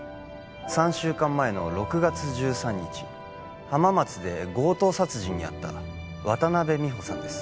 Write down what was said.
３週間前の６月１３日浜松で強盗殺人に遭った渡辺美穂さんです